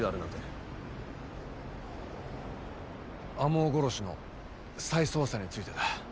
天羽殺しの再捜査についてだ。